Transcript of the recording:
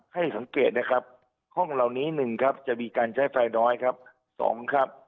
ให้สังเกตนะครับห้องเหล่านี้๑จะมีการใช้ไฟน้อยครับ